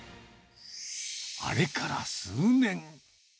あれから数年。